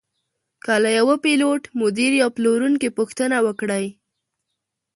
که له یوه پیلوټ، مدیر یا پلورونکي پوښتنه وکړئ.